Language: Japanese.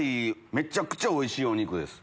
めちゃくちゃおいしいお肉です。